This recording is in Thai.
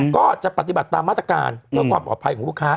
ก็จะปฏิบัติตามมาตรการเพื่อความปลอดภัยของลูกค้า